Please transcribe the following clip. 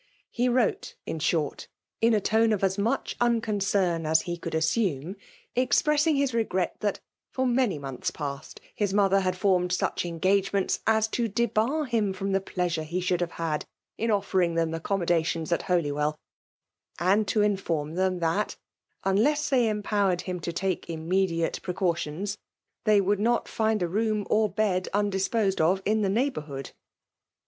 He wrote^ inahorti ina iobe^ctf afl mueh Unconcern ad he couId^aaavDie^'enqpfeM ing ' hi6 regret ihat, for many tmonths paat^ fanr mother 'had formed such engageDftenta as b» debar, him from the pleasure he shodld him had in olfeiing them aiccommodii^ttons at Holy* well ;< and to iitfoVin them that, unless 'titeyt empowered him to take immediate preeaw^ tions, they would not find a room or.bedun*^ disposed of in the neighbourhood.